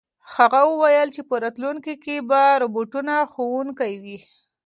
هغه وویل چې په راتلونکي کې به روبوټونه ښوونکي وي.